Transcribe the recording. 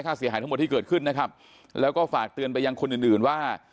เสียหายทั้งหมดที่เกิดขึ้นนะครับแล้วก็ฝากเตือนไปยังคนอื่นอื่นว่า